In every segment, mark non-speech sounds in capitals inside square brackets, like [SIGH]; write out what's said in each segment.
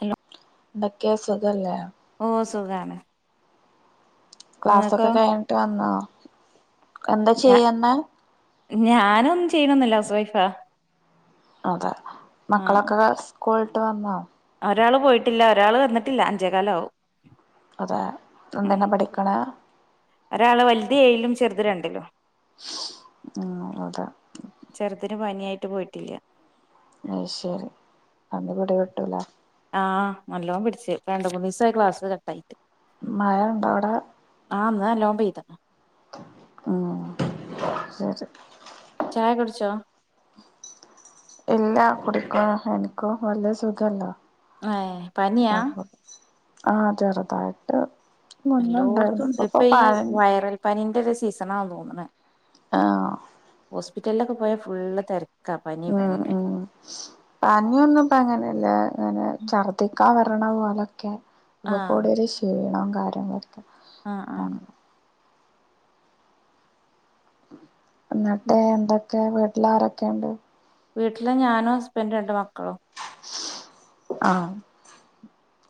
Hello? ന്തെക്കേ സുഖല്ലേ ഓഹ് സുഖാണ്. നിങ്ങക്കോ ക്ലാസൊക്കെ കഴിഞ്ഞ്ട്ട്ംവന്നോ എന്താചെയ്യെന്നാ? ഞാനൊന്നുംച്ചെയ്ണന്നുല്ല ഹൗസ് വൈഫാ അതെ മക്കളൊക്കെഹ് സ്കൂൾട്ട് വന്നോ? ഒരാള്പോയ്ട്ടില്ല ഒരാള് വന്ന്ട്ട്ല്ല അഞ്ചേകാലാവും അതെ ഉം എന്തന്നെപഠിക്കണെ? ഒരാള് വെൽത് ഏഴ്‌ലും ചെറ്ത് രണ്ടിലും [UNINTELLIGIBLE] ചെറ്തിന് പനിയായിട്ട്പോയ്ട്ടില്ല. അയ്ശെരി അന്ന്പിടിവിട്ടൂലെ? ആഹ് നല്ലോണം പിട്ച്ച് പ്പ രണ്ട്, മൂന്നീസ്സായി ക്ലാസ്കട്ടയിട്ട് മഴണ്ടൊ അവ്ടെ? ആഹ് ഇന്ന് ന്നലോംപെയ്ത്ണ് ആഹ് ചാച്ച് ചായ കുട്ച്ചോ? ഇല്ല കുടിക്കാ എനിക് വല്ല സുഖല്ല ഏഹ് പനിയാ അപ്പൊ. ആഹ് ചെറുതായിട്ട് മുന്നണ്ടായിരുന്നുപ്പൊ പ്പൊ പാ [UNINTELLIGIBLE] പനിന്റെ ഒരു സീസണാ തോന്ന്ണേ ആ ഹോസ്പിറ്റൽലൊക്കെ പോയാ ഫുള്ള് തെര ഉം ഉം. പനിയൊന്നും ഇപ്പ അങ്ങനെല്ല ങ്ങനെ ഛർദിക്കാ വരണ പോലൊക്കെ. ഉളു ആഹ് കൂടിയൊരു ക്ഷീണവും കാര്യങ്ങള്. അഹ് ആഹ്. ന്നട്ടേ എന്തൊക്കെ വീട്ടിലാരൊക്കെണ്ട്? വീട്ടിലെ ഞാനോ ഹസ്ബന്റും രണ്ട് മക്കളും. ആഹ്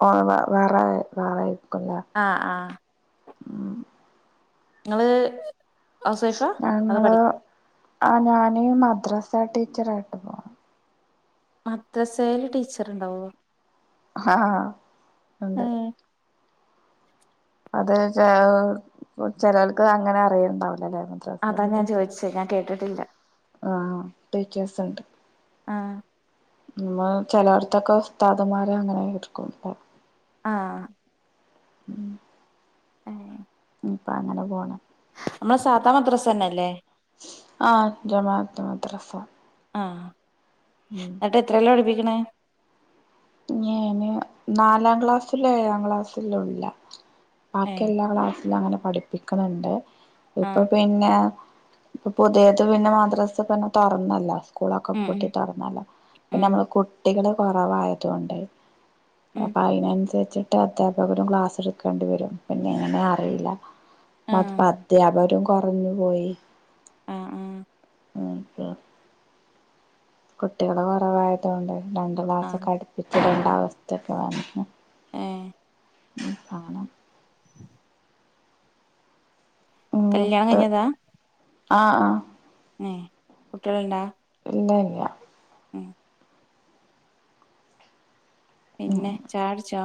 ഓ വ വേറെ വേറെരിക്കുംല്ലേ. ആഹ് ആഹ്. ങ്ങള്. ഞങ്ങള് ആഹ് ഞാന് മദ്രാസ ടീച്ചറായ്ട്ട് പോ മദ്രസെയിൽ ട്ടീച്ചറ്ണ്ടാവോ? ആഹ് ഹ ഹ ഉണ്ട്. ഏഹ് അത്ചെലോ ചെലോൽക്ക് അങ്ങനെ അറിയുണ്ടാവുല ലേ. അതാ ഞാൻ ചോയ്ഛെ ഞാൻ കേട്ടിട്ടില്ല. ആഹ് ടീച്ചേർസ് ണ്ട് ആഹ്. ചെലോട്ത്തൊക്കെ ഉസ്താദ്മാരെ അങ്ങനെടുക്കും ണ്ട്. ആഹ് ഉം പ്പ അങ്ങനെ പോണ് മ്മളെ സാധാ മദ്രസന്നെ ല്ലേ ആഹ് ജമാഅത്ത് മദ്രസ ആഹ് ഉം ന്നിട്ട് എത്രയിലാ പഠിപ്പിക്ക്‌ണേ ഞാന് നാലാം ക്ലാസ്സിലും ഏഴാം ക്ലാസ്സിലുല്ല ബാക്കി ഏഹ് എല്ലാ ക്ലാസ്സിലും അങ്ങനെ പഠിപ്പിക്ക്ണ് ണ്ട് ഇപ്പൊ ആഹ് പിന് ന്നേ പ്പ പുതിയത് പിന്നെ മദ്രസക്കൊന്ന് തൊറ്ന്നല്ലോ കൂളൊക്കെ ഉം പൂട്ടി തൊറന്നല്ലോ പിന്നെ ഉം നമ്മള് കുട്ടികള് കൊറവായതോണ്ട് ഉം അപ്പ അയിനനുസരിച്ച് റ്റേ അധ്യാപകരും ക്ലാസ് എടുക്കേണ്ടി വരും പിന്നെ എങ്ങനെ അറിയില്ല ഉം ആഹ് അധ്യാപകരും കൊറഞ്ഞു പോയി ഉം ഉം. ഒക്കെ കുട്ടികള് കൊറവായതുകൊണ്ട് രണ്ട് ആഹ് ക്ലാസ്സൊക്കെ അടുപ്പിച്ച്ടേണ്ട അവസ്തൊക്കെ വന്ന് ഏഹ് [UNINTELLIGIBLE] കല്യാണം മൂത്ത് കഴിഞ്ഞതാ ആഹ് ആഹ് ഏ കുട്ട്യാള്ണ്ടാ ഇല്ല ല്യ ഉം പിന്നെ ചായട്ച്ചോ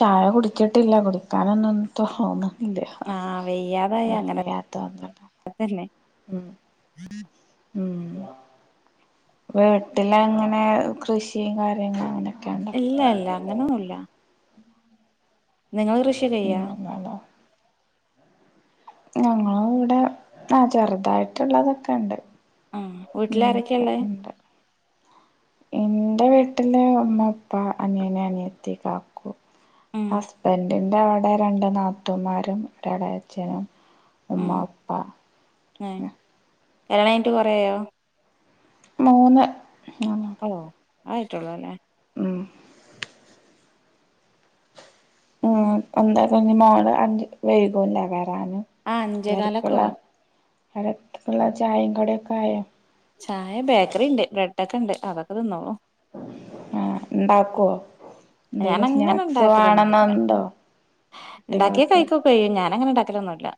ചായ കുടിച്ചിട്ടില്ല കുടിക്കാന്നോന്നും തോന്ന. ആഹ് വെയ്യാതായ അങ്ങനെ വയ്യാത്തോണ്ടാണ് തെന്നെ ഉം ഉം വീട്ടിലങ്ങനെ കൃഷിയും കാര്യങ്ങള എങ്ങനെ ക്കണ. ഇല്ല ഇല്ല അങ്ങനൊന്നുല്ല നിങ്ങൾ കൃഷി ചെയ്യാ ഞങ്ങളെ വടെ ആഹ് ചെറുതായിട്ടുള്ളതൊക്കെണ്ട് ആഹ് വീട്ടിലാരൊക്കെയള്ളെ ഇന്റെ വീട്ടില് ഉമ്മ ഉപ്പ അനിയൻ അനിയത്തി കാ ക്കു ഉം ഹസ്ബന്റ് ൻന്റെവടെ രണ്ട് നാത്തമാരും ഒരേളേച്ഛനും ഉമ്മ ഉപ്പ ഏഹ് കല്യാണം കഴിഞ്ഞിട്ട് കുറേ ആയോ മൂന്ന് ഓ അതെ ആയിട്ടുള്ളുലെ ഉം ഉം എന്താലും ഇനി മോൾ അഞ്ച് വൈകുലെ വരാന് ആ അഞ്ചേകാലൊക്കെ അവർക്കുള്ള ആവും ചായയും കടിയൊക്കെ ആയോ ചായ ബേക്കറിണ്ട് ബ്രെഡ് ഒക്കെണ്ട് അതൊക്കെ തിന്നോളും ആഹ് ണ്ടാക്കോ ഞാൻ എന്തെങ്കിലും അങ്ങനെ സ്നാക്സ് ഉണ്ടാക്കലൊന്നുല്ല വേണന്നുണ്ടോ കുട്ടികൾക്ക് [UNINTELLIGIBLE] ഞാന് അങ്ങനെ ണ്ടാക്കലൊന്നുല്ല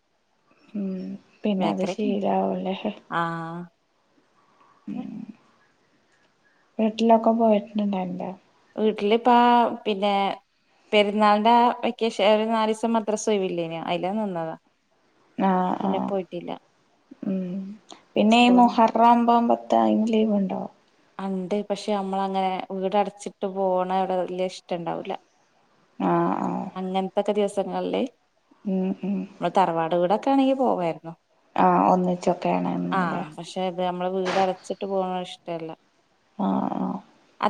ഉം പിന്നെ അത് ശീലാവും ല്ലേ ആഹ് ഉം വീട്ടിലൊക്കെ പോയിട്ട്ണ്ടായി ന്റാ വീട്ടില് പ്പാ പിന്നെ പെരുന്നാളിന്റെ ആ വെക്കേഷൻ ഒരു നാലീസം മദ്രസ ഒഴിവില്ലേനിയെ അയ്ലാ നിന്നതാ ആഹ് പിന്നെ ആഹ് പോയിട്ടില്ല ഉം പിന്നെ ഈ സ്കൂളും മുഹ റം ഒമ്പോ പത്ത് അയിന് ലീവ് ണ്ടോ ആഹ് ണ്ട് പക്ഷെ നമ്മള് അങ്ങനെ വീട് അടച്ചിട്ട് പോണേ ഇവിടെ വല്യ ഇഷ്ട ണ്ടാവൂല ആഹ് ആഹ് അങ്ങന് ത്തൊക്കെ ദിവസങ്ങൾ ല്ല് ഉം ഉം മ്മള് തറവാട് വീടൊക്കെ ആണെങ്കി പോവായിരുന്നു ആഹ് ഒന്നിച്ചൊക്കെ ആണേന്ന് ലേ ആഹ് പക്ഷെ തേ നമ്മള് വീട് അടച്ചിട്ട് പോണേ ഇഷ്ട ല്ല ആഹ് ആഹ്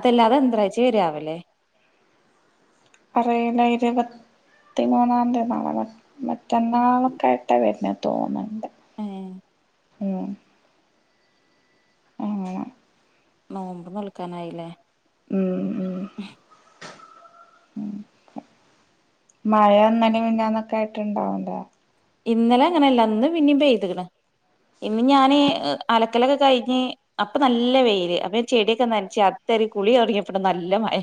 തല്ലാ അത് എന്ത്രയിച്ച വരാവ ല്ലേ അറിയില്ല ഇരുപത്തിമൂന്നാം തീ നാളെ മറ്റന്നാളൊക്കെ ആയിട്ടാ വര്ന്നേ തോന്ന്ണ്ട് ഏഹ് ഉം അങ്ങനെ നോമ്പ് നോൽക്കാനായി ല്ലേ ഉം ഉം ഉം മഴ ഇന്നലി മിന്നാന്ന് ഒക്കെ ആയിട്ട് ഇണ്ടാവണ്ട ഇന്നലെ അങ്ങനെല്ല ഇന്ന് പിന്നിം പെയ്ത്ക്ക്ണ് ഇന്ന് ഞാന് അലക്കലൊക്കെ കഴിഞ്ഞ് അപ്പം നല്ല വെയില് അപ്പം ഞാൻ ചെടിയൊക്കെ നനച്ച് അകത്തേറി കുളി തുടങ്ങിയപ്പം ണ്ട് നല്ല മഴ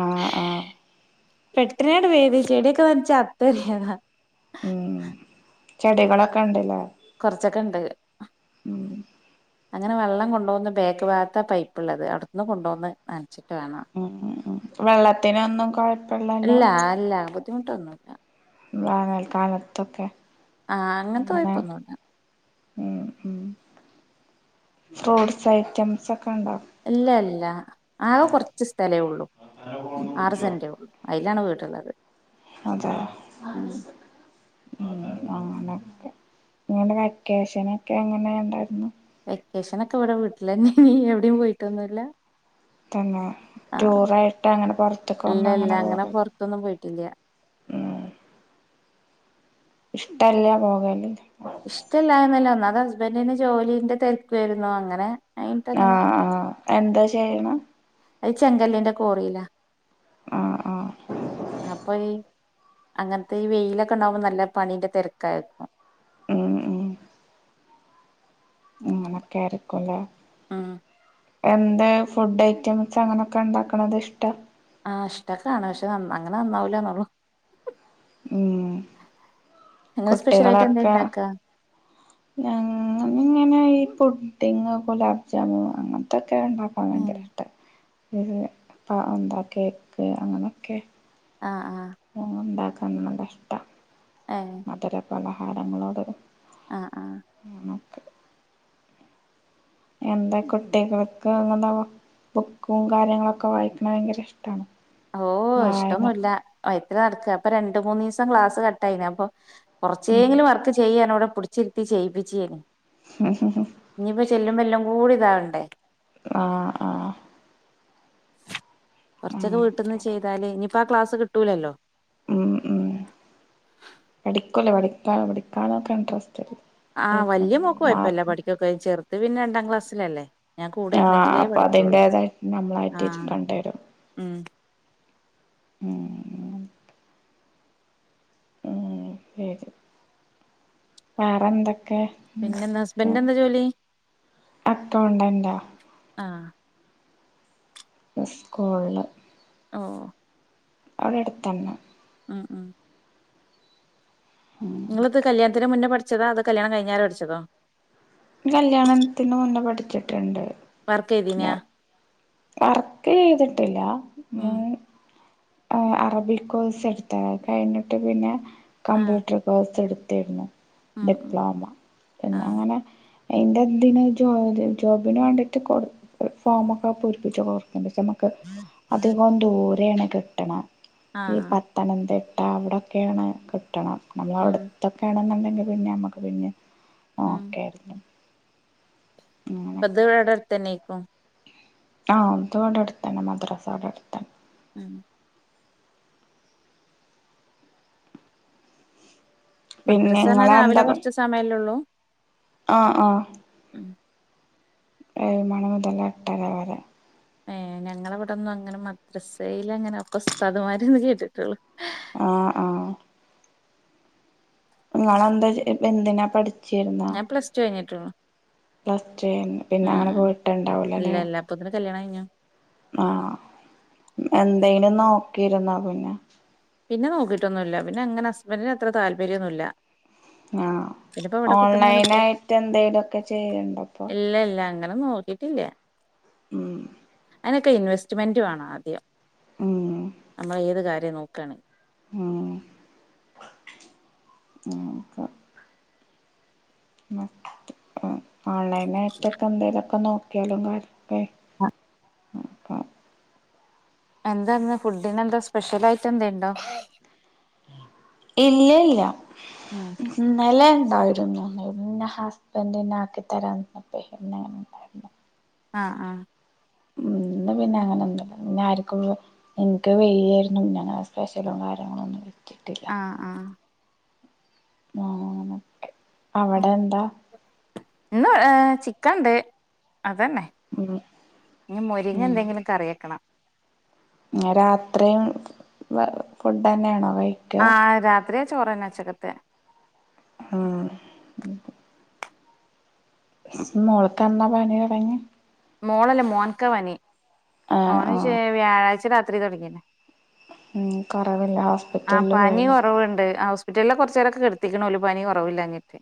ആഹ് ആഹ് പെട്ടെനെ ണ്ട് പെയ്ത് ചെടിയൊക്കെ നനച്ച് അകത്തേറിയതാ ഉം ചെടികളൊക്കെ ഇണ്ട് ലേ കൊറ്ച്ചൊക്കെ ഇണ്ട് ഉം അങ്ങനെ വെള്ളം കൊണ്ടോന്ന് ബേക്ക് ഭാഗത്താ പൈപ്പ് ള്ളത് അവിടുന്ന് കൊണ്ടോന്ന് നന്ച്ചിട്ട് വേണം ഉം ഉം വെള്ളത്തിനൊന്നും കൊഴപ്പല്ലല്ലോ ഇല്ല അല്ല ബു ദ്ധിമുട്ടൊന്നൂല്ല വേനൽക്കാലത്തൊക്കെ ആഹ് അങ്ങന് ത്തെ അങ്ങനെ കൊയപ്പൊന്നൂല്ല ഉം ഉം ഫ്രൂട്ട്സ് ഐറ്റംസ് ഒക്കെ ണ്ടോ ഇല്ല ഇല്ല ആകെ കുറച്ച് സ്ഥലേ ഉള്ളൂ താത്താനെ ഫോണ്ന്ന് ആറ് വിളിച്ചോ സെന്റേ ഉള്ളു അയിലാണ് വീട് ള്ളത് അതെ ഉം അങ്ങനൊക്കെ നിങ്ങടെ വെക്കേഷനൊക്കെ എങ്ങനെ ഉണ്ടായിരുന്നു വെക്കേഷനൊക്കെ ഇവിടെ വീട്ടിലന്നെ ഏനീ എവിടെയും പോയിട്ടൊന്നൂല്ല തന്നെ ടൂറായിട്ട് അങ്ങനെ പൊറ്ത്ത്ക്കൊന്നും അങ്ങനെ പോകല് ത്തൊന്നും പോയിട്ടില്ല. ഇഷ്ടല്യ പോകല്. ഇഷ്ടല്ലായന്നല്ലാ. ഒന്നാമത് ഹസ്ബൻറിന് ജോലിൻ്റെ തിരക്കുവായിരുന്നു. അങ്ങനെ അയിനിട്ട് അങ്ങനെ ആഹ് ആഹ് എന്താ ചെയ്യണേ? അത് ചെങ്കല്ലിൻ്റെ കോറിലാ. ആഹ് ആഹ് അപ്പ ഈ അങ്ങനത്തെ ഈ വെയിലൊക്കെ ഉണ്ടാകുമ്പേ നല്ല പണീന്റെ തിരക്കായിരിക്കും. ഉം ഉം ഉം എന്ന കേറിക്കോലെ ഉം എന്ത് ഫുഡ് ഐറ്റംസ് അങ്ങനെയൊക്കെ ഉണ്ടാക്കണത് ഇഷ്ടാ? ആഹ് ഇഷ്ടക്കാണ്. പക്ഷെ നന്ന അങ്ങനെ നന്നാവൂല്ലാന്നുള്ളൂ. ഉം നിങ്ങള് സ്പെഷ്യലായിട്ട് എന്താ കുട്ടികളൊക്കെ ഇണ്ടാക്കാ ഞങ്ങളിങ്ങനെ ഈ പുഡ്ഡിങ്ങ് ഗുലാബ് ജാമു അങ്ങനെ ത്തൊക്കെ ഉണ്ടാക്കാൻ ഏ ഭയങ്കര ഇഷ്ടാ. പാ എന്താ കേക്ക് അങ്ങനെയൊക്കെ ആഹ് ആഹ്. ഉണ്ടാക്കാൻ നല്ല ഇഷ്ടാ. ഏഹ് മധുര പലഹാരങ്ങളോട് ആ ആ അങ്ങനെ എന്താ കുട്ടികൾക്ക് അങ്ങനെ ബുക്കും കാര്യങ്ങളൊക്കെ വായിക്കണെ ഭയങ്കര ഇഷ്ടമാണോ? ഓഹ് ഇഷ്ടൊന്നൂല്ല. മയത്തില് നടക്കാ. അപ്പൊ രണ്ടു മൂന്നു ദിവസം ക്ലാസ് കട്ടായീന്. അപ്പൊ ഉം കുറച്ചെങ്കിലും വർക്ക് ചെയ്യ്. ഞാനിവിടെ പിടിച്ചിരുത്തി ചെയ്യിപ്പിച്ചേനി. ഹും ഹും ഹും. ഇഞ്ഞിയിപ്പോ ചെല്ലുമ്പേ എല്ലാം കൂടി ഇതാവണ്ടേ. ആഹ് ആഹ്. കുറച്ചൊക്കെ വീട്ടിന്ന് അങ്ങനൊക്കെ ചെയ്താല് ഇനിയിപ്പെ ആ ക്ലാസ് കിട്ടൂലല്ലോ. ഉം ഉം പഠിക്കൂല്ലേ. പഠിക്ക പഠിക്കാനൊക്കെ ഇൻട്രസ്റ്റ് ആഹ് വല്യ മോൾക്ക് കൊയപ്പോല്ല. മാർക്ക് പഠിക്കൊക്കെ ചെറുത് പിന്നെ രണ്ടാം ക്ലാസ്സിലല്ലേ. ഞാൻ കൂടെ ആഹ് ഇരുന്നെങ്കിലേ അപ്പൊ പഠിക്കുള്ളൂ അതിന്റേതായിട്ട് നമ്മളായിട്ട് ആഹ് ഇര്കണ്ടി വരും. ഉം ഉം ഉം ശരി. വേറെ എന്തൊക്കെ? പിന്നെന്താ ഹസ്ബൻൻ്റിന് എന്താ ജോലി? അക്കൗണ്ടന്റാ ആഹ്. സ്കൂളില്. ഓഹ്. അവിടെ അടുത്തന്നെ ഉം ഉം നിങ്ങളിത് കല്യാണത്തിന് മുന്നേ പഠിച്ചതോ അതോ കല്യാണം കഴിഞ്ഞാം രെ പഠിച്ചതോ കല്യാണത്തിന് മുന്നേ പഠിച്ചിട്ടുണ്ട് വർക്ക് ചെയ്തീനാ വർക്ക് ചെയ്തിട്ടില്ല ഉം ഉ അറബിക് കോഴ്സ് എടുത്ത കഴിഞ്ഞിട്ട് പിന്നെ ആഹ് കമ്പ്യൂട്ടർ കോഴ്സ് എടുത്തിരുന്നു ഉം ഉം ഡിപ്ലോമ എന്ന ആഹ് അങ്ങനെ അതിന്റെതി ജോബിന് വേണ്ടിട്ട് ഫോമ ഒക്കെ പോരി ക്ക നമക്ക് അതികം ദൂരെയാണ് കിട്ടണം ആഹ് ആഹ് പ തത്തനംതിട്ട അവിടെയൊക്കെയാണ് കിട്ടണം നമ്മള ഉം അവിടുത്തൊക്കെയ ആണെന്നുണ്ടെങ്കിൽ പിന്നെ നമുക്ക് പിന്നെ ഉം ഓക്കെ [UNINTELLIGIBLE] ഇപ്പത് ഇവെടെ അട്ത്തന്നേക്കും ആഹ് അത് ഇവടെ അട്ത്തന്നെ മദ്രാസ ഇവടെ അട്ത്തന്നെ ഉം പിന്നെ മദ്രസാർഞ്ഞാൽ രാവിലെ നിങ്ങളെന്താ കൊറച്ച് സമയമല്ലേള്ളു ആഹ് ആഹ് ഏഴ് മണി മുതൽ എട്ടര വരെ ഏഹ് ഞങ്ങളെ ഇവടൊന്നും അങ്ങനെ മദ്രസേയ്ലങ്ങനെ അപ്പ ഉസ്താദ്മാര്ന്ന് കേട്ടിട്ടോള്ളു ആഹ് ആഹ് ഇങ്ങളെ എന്തേച്ച് എ എന്തിനാ പഠി ഞാൻ പ്ലസ് ടു കഴിഞ്ഞിട്ടോള്ളു പ്ലസ് ടു കഴിഞ്ഞ് പിന്നെ അങ്ങനെ പോയിട്ട് ഇണ്ടാവുല്ലല്ലേ അപ്പോത്തിന് കല്യാണഴിഞ്ഞ് ആഹ് ഉം എന്തേങ്കിലും നോക്കിരുന്നോ പിന്നെ പിന്നെ നോക്കിട്ടൊന്നുല്ല പിന്നെ അങ്ങനെ ഹസ്ബന്റിന് അത്ര താല്പര്യൊന്നുല്ല ആഹ് പിന്നെപ്പോ ഇവിടെ കുത്തിർന്ന് ഇങ്ങനെ പോ ഓൺലൈനായിട്ട് എന്തേലൊക്കെ ചെയ്യ്ണ്ടോ ഇപ്പോ ഇല്ല അങ്ങനെ നോക്കിട്ടില്ല ഇല്ല ഉം അയിനൊക്കെ ഇൻവെസ്റ്റ്മെന്റ് വാണം ആദ്യം ഉം അമ്മളെ ഏത് കാര്യം നോക്കാണെ ആഹ് നോക്കാ മ ആഹ് ഓൺലൈനായിട്ടൊക്കെ എന്തേലെക്കെ നോക്കിയാലും കാര്യൊക്കെ ആഹ് എന്താ ഇന്ന് ഫുഡിന് എന്താ സ്പെഷ്യലായിറ്റ് എന്തേണ്ടോ ഇല്ല ഇല്ല ഉം ഇന്നലെ ഇണ്ടായിരുന്നു [UNINTELLIGIBLE] ഇന്റെ ഹസ്ബന്റ്ന്നെ ആക്കിതരാന്നർഞ്ഞപ്പേ പിന്നെ [UNINTELLIGIBLE] ആഹ് ആഹ് ഉം ഇന്നെ പിന്നെ അങ്ങനൊന്നും ഇന്നെ ആര്ക്കും എന്ക്ക് വെയ്യേരുന്നു പിന്നെ അങ്ങനെ സ്പെഷ്യലും കാര്യങ്ങളും ഒന്നും കിട്ടിയിട്ടി ആഹ് ആഹ് [UNINTELLIGIBLE] ഉം അവിടെ എന്താ ഇന്ന് ഏഹ് ചിക്കന്ണ്ട് അതന്നെ ഉം ഇഞ്ഞ് മുരിങ്ങ എന്തെങ്കിലും കറിയക്കണം ങേഹ് രാത്രിം വെ ഫുഡെന്നേണോ കഴി ആഹ് രാത്രിം ചോറന്നെ ഉച്ചക്കത്തെ ആഹ് ഉം മോൾക്കെന്നാ പനിയൊട്ങ്ങിയെ മോളല്ല മോന്ക്കാ പനി മോന് ആഹ് ഓന് ശെ ആഹ് വ്യാഴാഴ്ച്ച രാത്രി തൊടങ്ങീണ് ഉം കുറവില്ല ആഹ് ഹോസ്പിറ്റലിൽ പനി പോയില്ല കൊറവ്ണ്ട് ആഹ് ഹോസ് റ്റല് കൊറ്ച്ചേരൊക്കെ കെട്ത്തിക്ക്ണ് ഓല് പനി കൊറവില്ലാഞ്ഞിട്ട്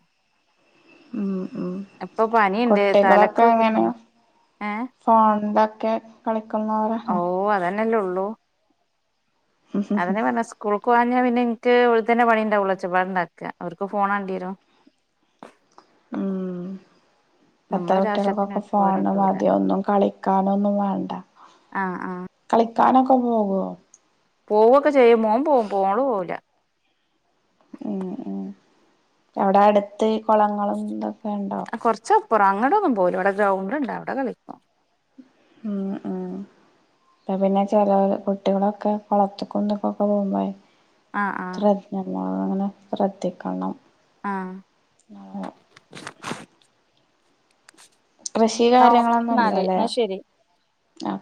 ഉം ഉം ഇപ്പോ പനിയ്ണ്ട് തലക്കൊക്കെര് [UNINTELLIGIBLE] ഏഹ് ഫോണ്ന്റൊക്കെ കളിക്കുന്നവരെ ഓഹ് അതെന്നല്ലേ ഉള്ളു അതന്നെ പർഞ്ഞെ സ്കൂള്ക്കോവാഞ്ഞാ പിന്നെ ഇന്ക്ക് ഇവിട്ത്തന്നെ പണിണ്ടാവോള്ളു ഒച്ചപാട്ണ്ടാക്കാ അവര്ക്ക് ഫോൺ വാണ്ടിയെരും ഉം ഇപ്പത്തെ നമ്മളൊരാവശ്യത്തിന് കുട്ട്യൾക്കൊക്കെ അവർക്ക് പോര ഫോണ് കിട്ടൂല മതി ഒന്നും കളിക്കാനൊന്നും വാണ്ട ആഹ് ആഹ് കളിക്കാനൊക്ക പോകുവോ പോവുക്കെ ചെയ്യും മോൻ പോവും മോൾ പോകൂല്ല ഉം ഉം എവിടെ അടുത്ത് ഈ കുളങ്ങളുംതൊക്കെ ഉണ്ടോ കുറച്ചപ്പുറം അങ്ങടെ ഒന്നും പോകില്ല അവിടെ ഗ്രൗണ്ട്ണ്ട് അവിടെ കളിക്കും ഉം ഉം അപ്പൊ പിന്നെ ചേലോൽ കുട്ടികളൊക്കെ കോളത്തിക്കും ഇതിക്കൊക്കെ പോവുമ്പളെ ആഹ് ആഹ് [UNINTELLIGIBLE] ശ്രദ്ധിക്കണം ആഹ് [UNINTELLIGIBLE] കൃഷി എന്നാ ഓക്കെ എന്നാല് കാര്യങ്ങളൊന്നുംല്ലല്ലേ എന്നാ ശരി ആഹ്